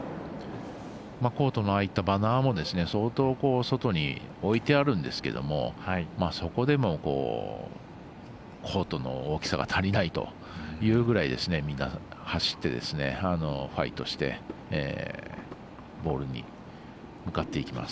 コートのああいったバナーも相当外に置いてあるんですけどもそこでもコートの大きさが足りないというぐらいみんな走って、ファイトしてボールに向かっていきます。